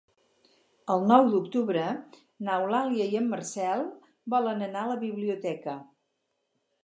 El nou d'octubre n'Eulàlia i en Marcel volen anar a la biblioteca.